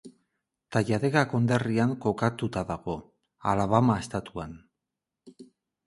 Talladega konderrian kokatuta dago, Alabama estatuan.